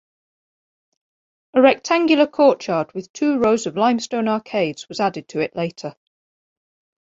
A rectangular courtyard with two rows of limestone arcades was added to it later.